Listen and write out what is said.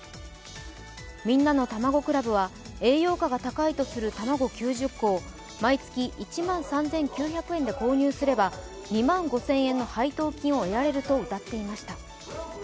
みんなのたまご倶楽部は栄養価が高いとする卵９０個を毎月１万３９００円で購入すれば２万５０００円の配当金を得られるとうたっていました。